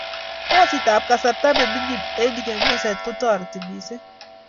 kasit ab kasarta ne mining eng chebyoset ko tareti mising